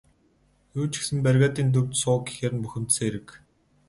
Юу ч гэсэн бригадын төвд суу гэхээр нь бухимдсан хэрэг.